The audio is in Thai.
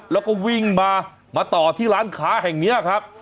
แล้วก็วิ่งมามาต่อที่ร้านค้าแห่งนี้ครับ